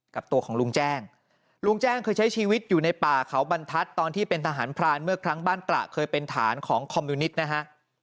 กับตัวของลุงแจ้งลุงแจ้งเคยใช้ชีวิตอยู่ในป่าเขาบรรทัศน์ตอนที่เป็นทหารพรานเมื่อครั้งบ้านตระเคยเป็นฐานของคอมมิวนิตนะฮะ